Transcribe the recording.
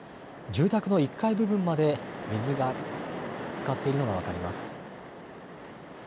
住宅の１階部分まで水がつかっているのが分かります。